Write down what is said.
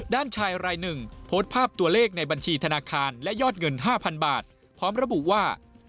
ชายรายหนึ่งโพสต์ภาพตัวเลขในบัญชีธนาคารและยอดเงิน๕๐๐๐บาทพร้อมระบุว่า